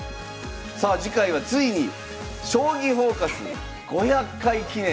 さあ次回はついに「将棋フォーカス」「５００回記念」。